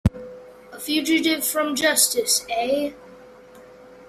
A fugitive from justice, eh?